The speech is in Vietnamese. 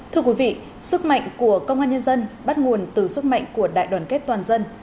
thưa quý vị sức mạnh của công an nhân dân bắt nguồn từ sức mạnh của đại đoàn kết toàn dân